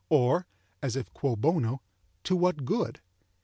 or, (as if quo bono,) "to what good."